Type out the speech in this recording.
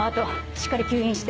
しっかり吸引して。